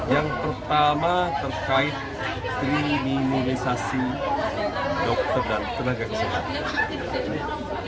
yang pertama terkait kriminalisasi dokter dan tenaga kesehatan